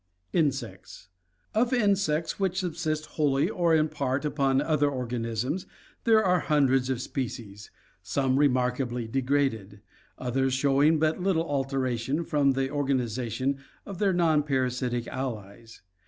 Insects. — Of insects which subsist wholly or in part upon other organisms there are hundreds of species, some remarkably de graded, others showing but little alteration from the organization of their non parasitic allies.